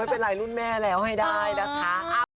ไม่เป็นไรรุ่นแม่แล้วให้ได้นะคะ